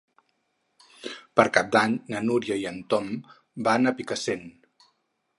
Per Cap d'Any na Núria i en Tom van a Picassent.